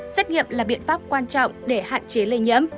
xét nghiệm là biện pháp quan trọng để hạn chế lây nhiễm